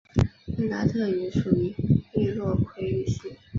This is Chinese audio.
温达特语属于易洛魁语系。